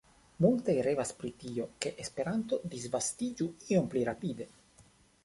Multaj revas pri tio, ke Esperanto disvastiĝu iom pli rapide.